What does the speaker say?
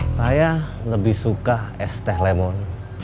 saya lebih suka es teh lemon